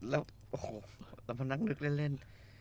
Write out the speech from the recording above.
แล้วโอ้โหตำพนักนึกเล่น